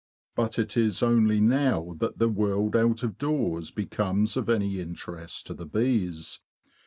But it is only now that the world out of doors be comes of any interest to the bees.